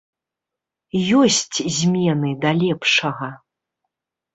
Ёсць змены да лепшага.